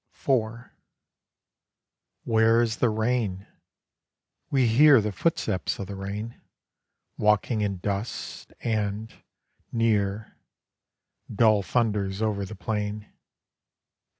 IV Where is the rain? We hear The footsteps of the rain, Walking in dust, and, near, Dull thunders over the plain.